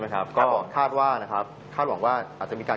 ก็คาดว่าเนี่ย